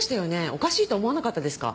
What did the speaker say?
おかしいと思わなかったですか？